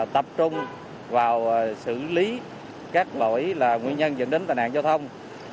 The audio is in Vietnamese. tập trung vào xử lý các lỗi là nguyên nhân dẫn đến tai nạn giao thông